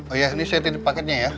oh iya ini saya tidur paketnya ya